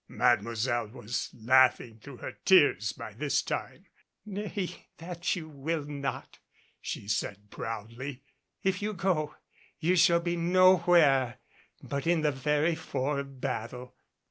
Mademoiselle was laughing through her tears by this time. "Nay, that you will not," said she proudly. "If you go, you shall be nowhere but in the very fore of battle."